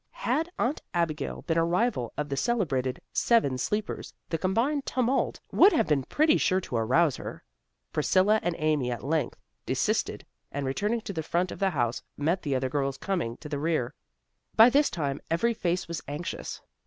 Had Aunt Abigail been a rival of the celebrated Seven Sleepers the combined tumult would have been pretty sure to arouse her. Priscilla and Amy at length desisted, and returning to the front of the house, met the other girls coming to the rear. By this time every face was anxious.